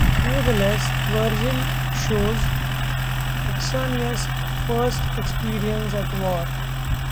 Nevertheless, Virgil shows Ascanius' first experience at war.